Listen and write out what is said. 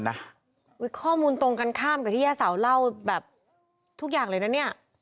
ข้อมูลตรงกันข้ามกับที่ย่าสาวเล่าแบบทุกอย่างเลยนะเนี่ย